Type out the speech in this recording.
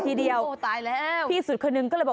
หัวตายแล้ว